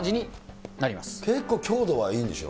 結構、強度はいいんでしょ。